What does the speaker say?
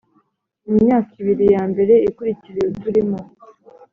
Mu myaka ibiri ya mbere ikurikira uyu turimo